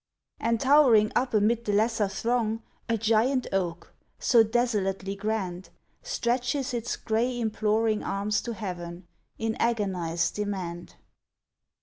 And towering up amid the lesser throng, A giant oak, so desolately grand, Stretches its gray imploring arms to heaven In agonized demand.